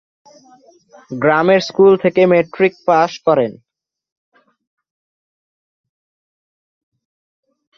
গ্রামের স্কুল থেকে matric pass করেন।